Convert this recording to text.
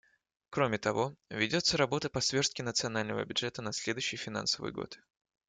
Кроме того, ведется работа по сверстке национального бюджета на следующий финансовый год.